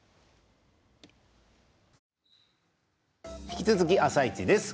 引き続き「あさイチ」です。